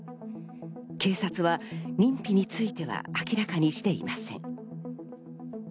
警察は認否については明らかにしていません。